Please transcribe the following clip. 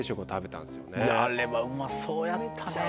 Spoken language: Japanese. あれはうまそうやったね。